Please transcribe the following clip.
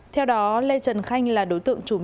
theo đó lê trần khanh là đối tượng